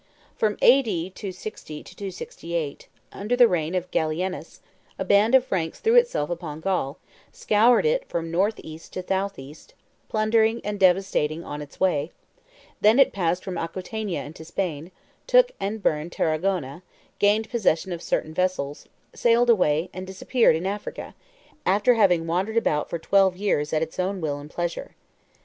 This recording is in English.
From A.D. 260 to 268, under the reign of Gallienus, a band of Franks threw itself upon Gaul, scoured it from north east to south east, plundering and devastating on its way; then it passed from Aquitania into Spain, took and burned Tarragona, gained possession of certain vessels, sailed away, and disappeared in Africa, after having wandered about for twelve years at its own will and pleasure.